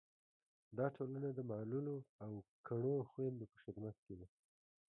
دا ټولنه د معلولو او کڼو خویندو په خدمت کې ده.